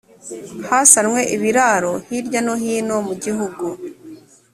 hasanwe ibiraro hirya no hino mu gihugu